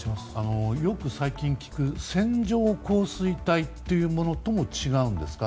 よく最近、聞く線状降水帯というものとも違うんですか。